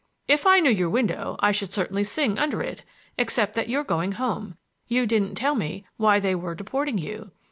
"If I knew your window I should certainly sing under it,—except that you're going home! You didn't tell me why they were deporting you."